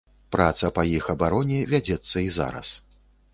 Праца па іх абароне вядзецца і зараз.